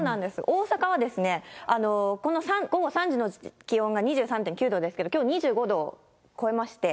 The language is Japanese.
大阪はですね、この午後３時の気温が２３．９度ですけど、きょう２５度を超えまして。